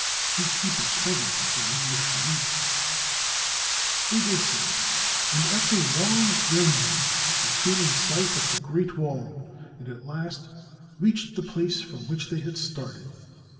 We keep it covered when we wish to eat." They did so, and after long journeying they came in sight of the great wall and at last reached the place from which they had started.